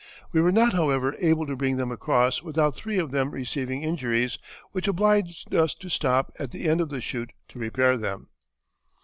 We were not, however, able to bring them across without three of them receiving injuries which obliged us to stop at the end of the shoot to repair them."